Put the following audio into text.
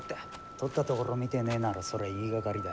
とったところを見てねえならそれは言いがかりだ。